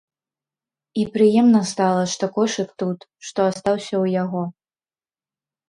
І прыемна стала, што кошык тут, што астаўся ў яго.